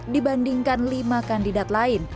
dibandingkan lima kandidat